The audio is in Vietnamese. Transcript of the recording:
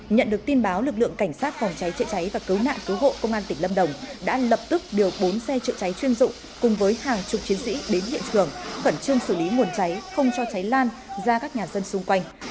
nhận được tin báo lực lượng cảnh sát phòng cháy chữa cháy và cứu nạn cứu hộ công an tỉnh lâm đồng đã lập tức điều bốn xe chữa cháy chuyên dụng cùng với hàng chục chiến sĩ đến hiện trường khẩn trương xử lý nguồn cháy không cho cháy lan ra các nhà dân xung quanh